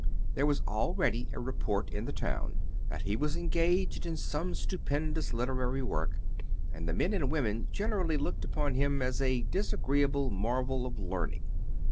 There was already a report in the town that he was engaged in some stupendous literary work, and the men and women generally looked upon him as a disagreeable marvel of learning.